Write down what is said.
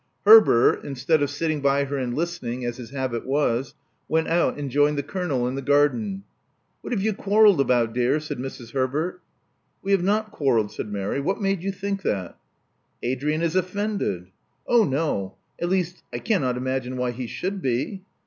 Herbert, instead of sitting by her and listening, as his habit was, went out and joined the Colonel in the garden. What have you quarrelled about, dear?" said Mrs. Herbert. We have not quarrelled," said Mary. "What made you think that." Adrian is offended." Oh, no. At least I cannot imagine why he should be."